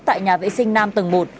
tại nhà vệ sinh năm tầng một